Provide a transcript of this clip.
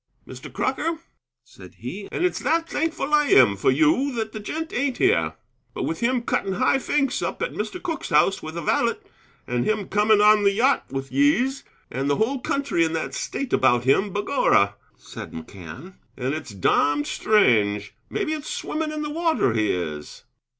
"Mr. Crocker," said he, "and it's that thankful I am for you that the gent ain't here. But with him cutting high finks up at Mr. Cooke's house with a valet, and him coming on the yacht with yese, and the whole country in that state about him, begorra," said McCann, "and it's domned strange! Maybe it's swimmin' in the water he is!"